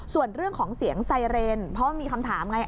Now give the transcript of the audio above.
ส่วนเรื่องของเสียงไซเรนเพราะมีคำถามไง